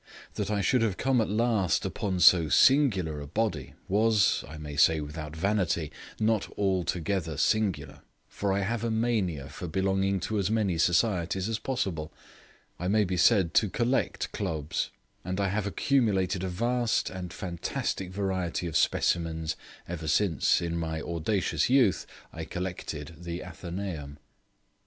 That I should have come at last upon so singular a body was, I may say without vanity, not altogether singular, for I have a mania for belonging to as many societies as possible: I may be said to collect clubs, and I have accumulated a vast and fantastic variety of specimens ever since, in my audacious youth, I collected the Athenaeum.